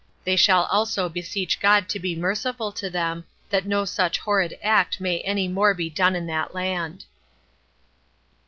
They shall also beseech God to be merciful to them, that no such horrid act may any more be done in that land.